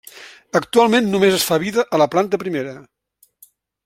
Actualment només es fa vida a la planta primera.